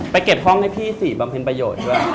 เก็บห้องให้พี่สิบำเพ็ญประโยชน์ด้วย